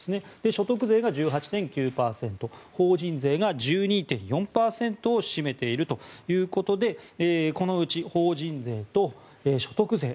所得税が１８．９％法人税が１２．４％を占めているということでこのうち法人税と所得税